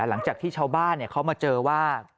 หลังจากที่ชาวบ้านเขามาเจอว่า